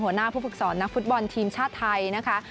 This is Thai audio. หัวหน้าผู้ฝึกสอนนักฟุตบอลทีมชาติไทยนะคะ